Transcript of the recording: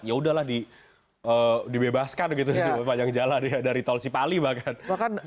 yaudahlah dibebaskan gitu sepanjang jalan dari tol sipali bahkan